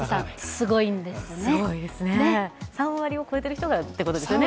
すごいですね、３割を超えてる人がってことですもんね。